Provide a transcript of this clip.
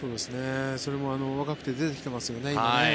それも若くて出てきてますよね、今。